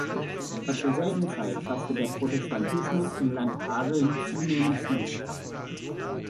Etwa zur selben Zeit fasste der Protestantismus im Land Hadeln zunehmend Fuß.